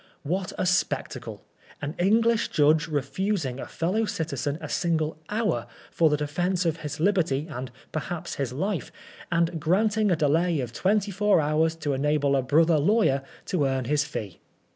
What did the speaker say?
What a spectacle ! An English judge refusing a fellow citizen a single hour for the defence of his liberty and perhaps his life, and granting a delay of twenty four hours to enable a brother lawyer to earn his fee